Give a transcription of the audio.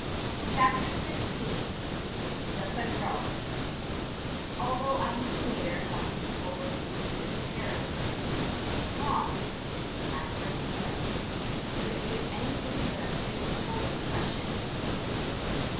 CHAPTER XVI THE PADRONE Although I knew later how beautiful was the city of Paris, the slums, being my first glimpse, created anything but a favorable impression.